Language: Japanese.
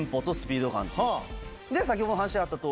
で先ほども話あった通り